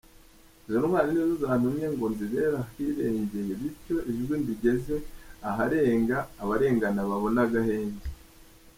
Izo ntwari nizo zantumye ngo nzibere ahirengeye bityo ijwi ndigeze aharenga abarengana babone agahenge.